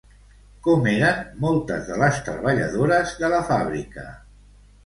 Com eren moltes de les treballadores de la fàbrica?